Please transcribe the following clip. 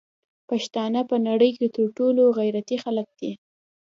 پښتانه په نړی کی تر ټولو غیرتی خلک دی